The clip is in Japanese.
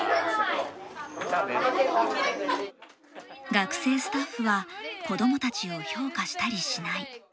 学生スタッフは子供たちを評価したりしない。